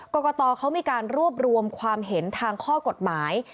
กรกตเขามีการรวบรวมความเห็นทางข้อกฎหมาย